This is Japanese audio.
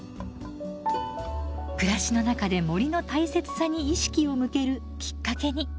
暮らしの中で森の大切さに意識を向けるきっかけに。